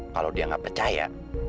kalau dia gak percaya